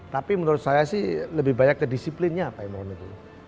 tapi menurut saya sih lebih banyak ke disiplinnya pak imon itu